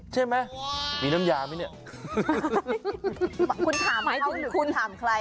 ใช่มั้ยมีน้ำยาไหมเนี่ย